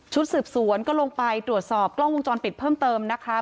สืบสวนก็ลงไปตรวจสอบกล้องวงจรปิดเพิ่มเติมนะคะ